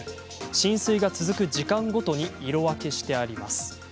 浸水が続く時間ごとに色分けしてあります。